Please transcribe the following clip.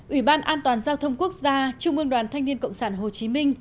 ủy ban an toàn giao thông quốc gia trung ương đoàn thanh niên cộng sản hồ chí minh